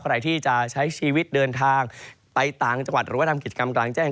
ใครที่จะใช้ชีวิตเดินทางไปต่างจังหวัดหรือว่าทำกิจกรรมกลางแจ้ง